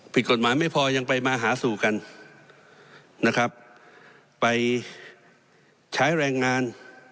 ผิดกฎหมายไม่พอยังไปมาหาสู่กันนะครับไปใช้แรงงาน